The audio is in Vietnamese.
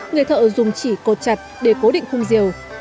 người thợ dùng chỉ cột chặt để cố định khung rìu